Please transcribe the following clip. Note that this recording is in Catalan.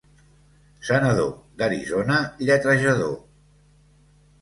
Senador d'Arizona lletrejador.